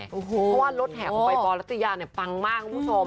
เพราะว่ารถแถ่ของไปปรัศนาธิยาปังมากคุณผู้ชม